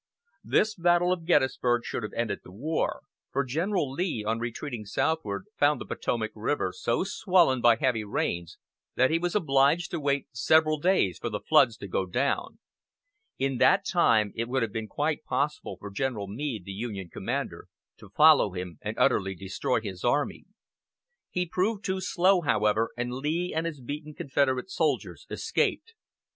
This battle of Gettysburg should have ended the war, for General Lee, on retreating southward, found the Potomac River so swollen by heavy rains that he was obliged to wait several days for the floods to go down. In that time it would have been quite possible for General Meade, the Union commander, to follow him and utterly destroy his army. He proved too slow, however, and Lee and his beaten Confederate soldiers escaped.